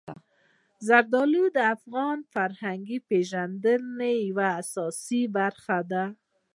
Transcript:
زردالو د افغانانو د فرهنګي پیژندنې یوه اساسي برخه ده.